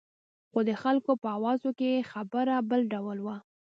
خو د خلکو په اوازو کې خبره بل ډول وه.